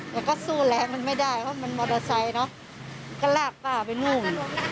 แต่ก็สู้แรงมันไม่ได้เพราะมันมอเตอร์ไซค์เนอะก็ลากป้าไปนู่น